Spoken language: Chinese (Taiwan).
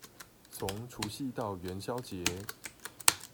從除夕到元宵節